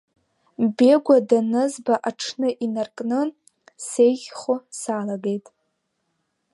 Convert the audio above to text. Бегәа данызба аҽны инаркны, сеиӷьхо салагеит.